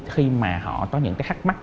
khi mà họ có những cái khắc mắc